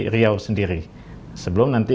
riau sendiri sebelum nanti